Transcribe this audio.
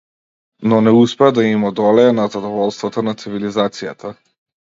Но не успеа да им одолее на задоволствата на цивилизацијата.